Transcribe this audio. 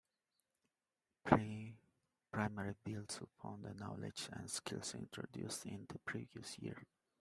Pre-Primary builds upon the knowledge and skills introduced in the previous year.